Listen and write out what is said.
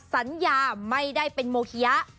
สัญญาไม่ได้เป็นโมคิยะ